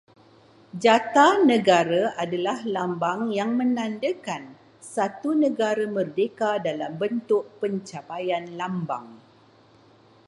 Jata negara adalah lambang yang menandakan satu negara merdeka dalam bentuk pencapaian lambang